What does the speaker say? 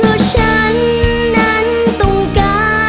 เพราะฉันนั้นต้องการ